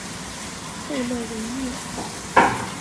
贝勒维涅。